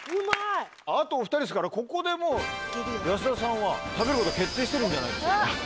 あとお２人ですからここでもう安田さんは食べることが決定してるんじゃないでしょうか。